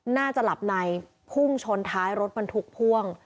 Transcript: น่าจะหลับในพุ่งชนท้ายรถบรรทุกพ่วง